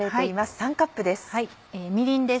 ３カップです。